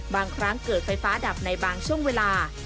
บางครั้งเกิดไฟฟ้าดับในบางช่วงเวลา